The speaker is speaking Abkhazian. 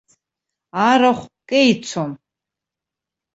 Арахә кеицон.